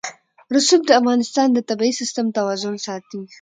رسوب د افغانستان د طبعي سیسټم توازن ساتي.